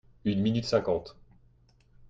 Une minute cinquante.